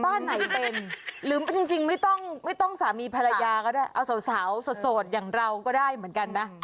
บ้านไหนเป็นหรือจริงไม่ต้องไม่ต้องสามีภรรยาก็ได้เอาสาวโสดอย่างเราก็ได้เหมือนกันนะ